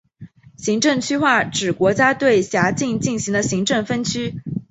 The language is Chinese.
行政区划指国家对辖境进行的行政分区。